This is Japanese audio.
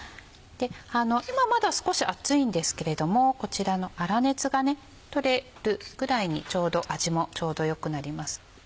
今まだ少し熱いんですけれどもこちらの粗熱がとれるぐらいにちょうど味もちょうどよくなります。